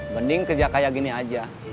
mending kerja kayak gini aja